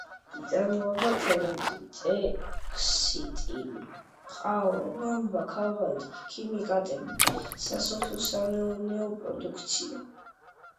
იწარმოება ცემენტი, ტექსტილი, ყავა, ბამბა, ქაღალდი, ქიმიკატები, სასოფლო-სამეურნეო პროდუქცია.